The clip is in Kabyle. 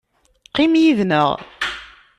Qqim yid-nneɣ.